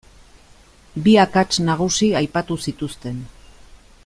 Bi akats nagusi aipatu zituzten.